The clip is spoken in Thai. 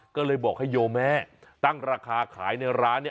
ก็เลยบอกให้โยแม่ตั้งราคาขายในร้าน